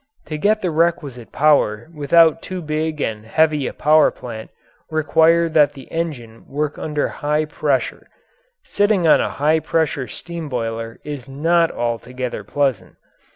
To get the requisite power without too big and heavy a power plant required that the engine work under high pressure; sitting on a high pressure steam boiler is not altogether pleasant.